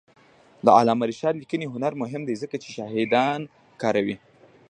د علامه رشاد لیکنی هنر مهم دی ځکه چې شاهدان کاروي.